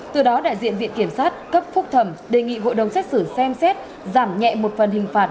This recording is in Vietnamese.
từ đó đại diện viện kiểm sát cấp phúc thẩm đề nghị hội đồng xét xử xem xét giảm nhẹ một phần hình phạt